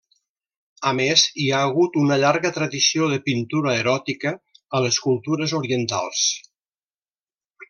A més, hi ha hagut una llarga tradició de pintura eròtica a les cultures orientals.